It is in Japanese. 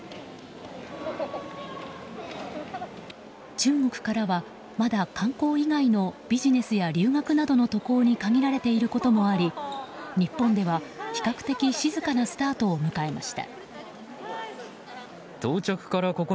中国からは、まだ観光以外のビジネスや留学などの渡航に限られていることもあり日本では比較的静かなスタートを迎えました。